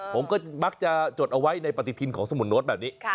ผมก็มักจะจดเอาไว้ในปฏิทินของสมุนโน้ตแบบนี้